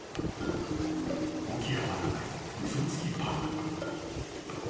［起き上がらない嘘つきパンダ］